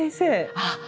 あっ。